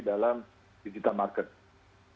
dalam digital marketing